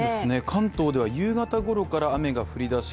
関東では夕方頃から雨が降り出し